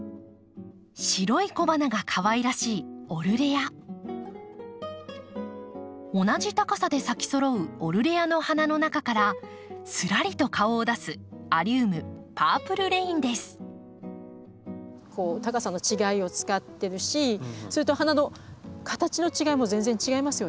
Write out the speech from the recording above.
白い小花がかわいらしい同じ高さで咲きそろうオルレアの花の中からすらりと顔を出すアリウム高さの違いを使ってるしそれと花の形の違いも全然違いますよね。